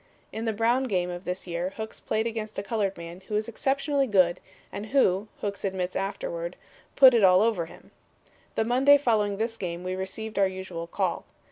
In the Brown game of this year Hooks played against a colored man who was exceptionally good and who, Hooks admitted afterward, 'put it all over' him. The Monday following this game we received our usual 'call.'